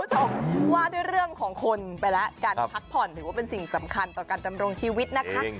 คุณผู้ชมว่าด้วยเรื่องของคนไปแล้วการพักผ่อนถือว่าเป็นสิ่งสำคัญต่อการดำรงชีวิตนะคะ